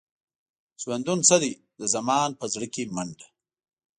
ژوندون څه دی؟ د زمان په زړه کې منډه.